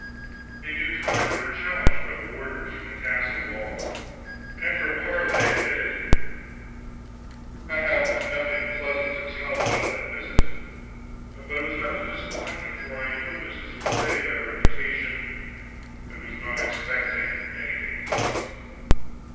In due time we were challenged by the warders, from the castle walls, and after a parley admitted. I have nothing pleasant to tell about that visit. But it was not a disappointment, for I knew Mrs. le Fay by reputation, and was not expecting anything pleasant.